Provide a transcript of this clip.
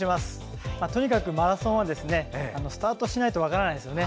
とにかく、マラソンはスタートしないと分からない。